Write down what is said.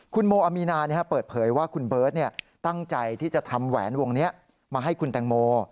คุณโมอามีนาเปิดเผยว่าคุณเบิร์ตตั้งใจที่จะทำแหวนวงนี้มาให้คุณแตงโม